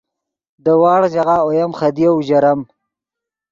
دے وڑغ ژاغہ اویم خدیو اوژرم